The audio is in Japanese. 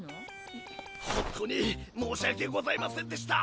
うっホントに申し訳ございませんでした。